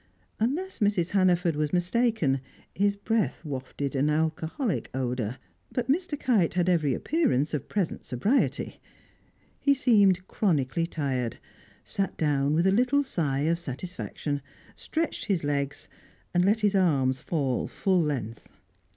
Unless Mrs. Hannaford was mistaken, his breath wafted an alcoholic odour; but Mr. Kite had every appearance of present sobriety. He seemed chronically tired; sat down with a little sigh of satisfaction; stretched his legs, and let his arms fall full length.